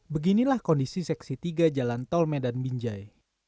beginilah kondisi seksi tiga jalan tol medan binjai